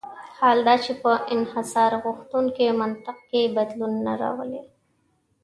حال دا چې په انحصارغوښتونکي منطق کې بدلون نه راولي.